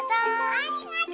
ありがとう！